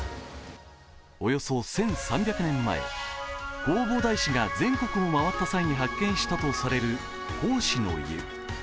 およそ１３００年前、弘法大師が全国を回った際に発見したとされる法師の湯。